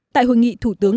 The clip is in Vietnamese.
tại hội nghị thủ tướng